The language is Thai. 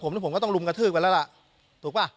อย่างผมที่ผมก็ต้องรุ่มกระทือกไปแล้วล่ะถูกป่ะ